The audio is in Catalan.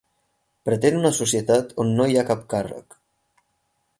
Pretén una societat on no hi ha cap càrrec.